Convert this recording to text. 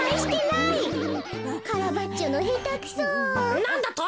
なんだと！